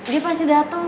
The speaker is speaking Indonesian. dia pasti dateng